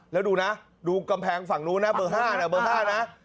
แล้วดูนะดูกำแพงฝั่งนู้นนะเบอร์๕นะเบอร์๕นะ